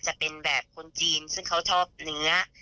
จะเป็นแบบคนจีนซึ่งเขาชอบเนื้อ